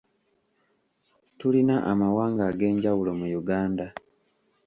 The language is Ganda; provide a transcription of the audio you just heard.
Tulina amawanga ag'enjawulo mu Uganda.